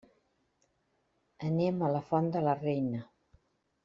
Anem a la Font de la Reina.